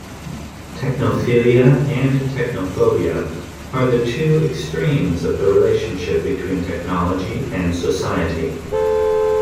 Technophilia and technophobia are the two extremes of the relationship between technology and society.